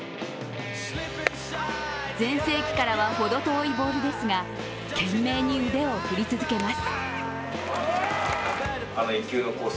全盛期からは程遠いボールですが懸命に腕を振り続けます。